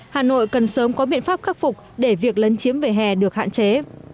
hà nội cần sớm có biện pháp khắc phục để việc lấn chiếm vỉa hè được hạn chế